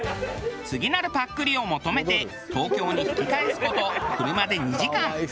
次なるぱっくりを求めて東京に引き返す事車で２時間。